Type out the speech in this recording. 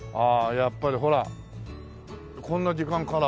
やっぱりほらこんな時間から。